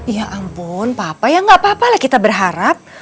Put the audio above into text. ya ampun papa ya gak apa apa lah kita berharap